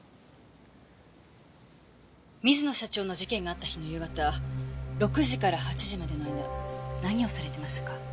水野社長の事件があった日の夕方６時から８時までの間何をされてましたか？